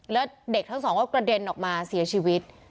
แล้วเด็กทั้งสองก็กระเด็นออกมาเสียชีวิต